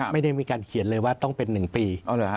ไม่ได้มีการเขียนเลยว่าต้องเป็น๑ปี